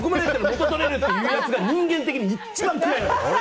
元取れっていうやつが人間的に一番嫌い！